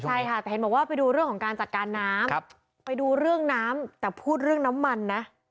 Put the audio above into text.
ใช่ค่ะแต่เห็นบอกว่าไปดูเรื่องของการจัดการน้ำไปดูเรื่องน้ำแต่พูดเรื่องน้ำมันนะ